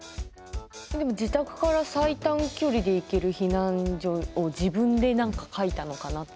でも自宅から最短距離で行ける避難所を自分で何か書いたのかなって。